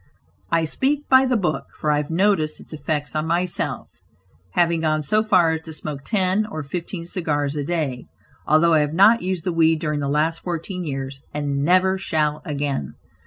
I speak "by the book," for I have noticed its effects on myself, having gone so far as to smoke ten or fifteen cigars a day; although I have not used the weed during the last fourteen years, and never shall again.